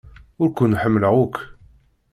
Ur ken-ḥemmleɣ akk.